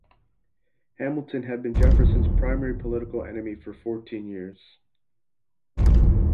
Hamilton had been Jefferson's primary political enemy for fourteen years.